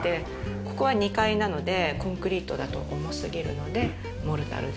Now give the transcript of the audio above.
ここは２階なのでコンクリートだと重すぎるのでモルタルで。